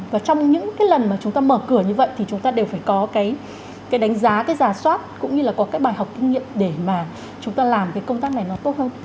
và trong những cái lần mà chúng ta mở cửa như vậy thì chúng ta đều phải có cái đánh giá cái giả soát cũng như là có cái bài học kinh nghiệm để mà chúng ta làm cái công tác này nó tốt hơn